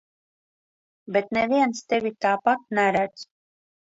Bet neviens tevi tāpat neredz.